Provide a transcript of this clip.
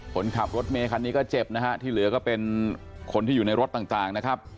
คนขับรถเมคันนี้ก็เจ็บนะฮะที่เหลือก็เป็นคนที่อยู่ในรถต่างนะครับ